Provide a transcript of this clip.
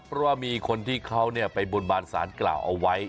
เพราะว่ามีคนที่เขาเนี่ยไปบนบานศาลกราวเอาไว้